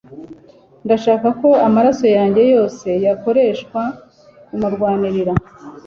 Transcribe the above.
Ndashaka ko amaraso yanjye yose yakoreshwa kumurwanirira